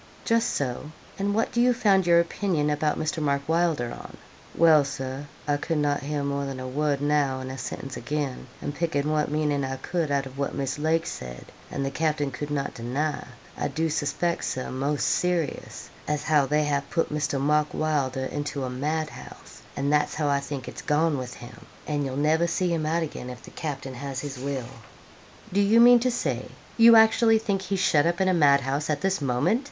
'Just so; and what do you found your opinion about Mr. Mark Wylder on?' 'Well, Sir, I could not hear more than a word now and a sentince again; and pickin' what meaning I could out of what Miss Lake said, and the capting could not deny, I do suspeck, Sir, most serious, as how they have put Mr. Mark Wylder into a mad house; and that's how I think it's gone with him; an' you'll never see him out again if the capting has his will.' 'Do you mean to say you actually think he's shut up in a madhouse at this moment?'